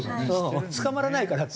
捕まらないからって。